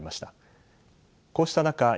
こうした中